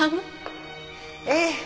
ええ。